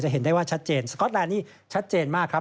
เห็นได้ว่าชัดเจนสก๊อตแลนด์นี้ชัดเจนมากครับ